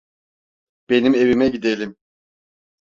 Benim evime gidelim.